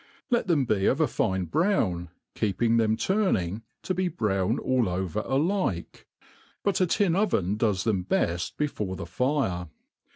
XiCt them be of a fine brown, keeping them turning, to be brown all over alike ; but a tin oven does them beft be/ore the fire.